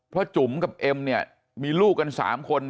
เพราะจุ๋มกับเอ็มเนี่ยมีลูกกัน๓คน